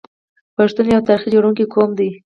پښتون یو تاریخ جوړونکی قوم دی.